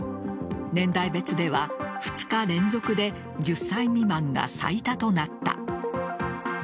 年代別では２日連続で１０歳未満が最多となった。